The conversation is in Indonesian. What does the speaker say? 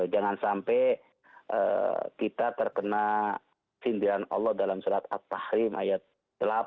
jangan sampai kita terkena sindiran allah dalam surat al fahrim ayat delapan